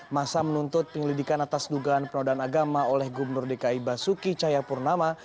masa menuntut penyelidikan atas dugaan penodaan agama oleh gubernur dki basuki cayapurnama